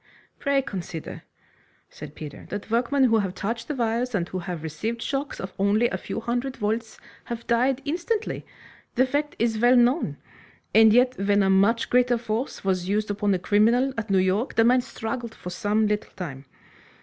"Pray consider," said Peter, "that workmen who have touched the wires, and who have received shocks of only a few hundred volts, have died instantly. The fact is well known. And yet when a much greater force was used upon a criminal at New York, the man struggled for some little time.